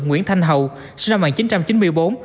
nguyễn thanh hậu sinh năm một nghìn chín trăm chín mươi bốn